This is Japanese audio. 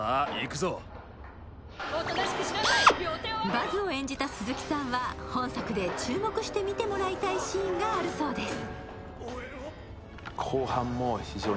バズを演じた鈴木さんは本作で注目して見てもらいたいシーンがあるそうです。